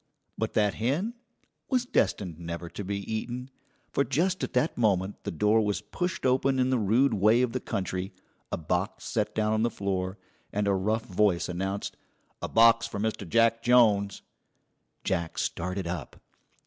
But that hen was destined never to be eaten, for just at that moment the door was pushed open in the rude way of the country, a box set down on the floor, and a rough voice announced: "A box for Mr. Jack Jones." Jack started up.